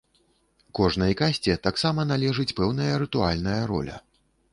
Кожнай касце таксама належыць пэўная рытуальная роля.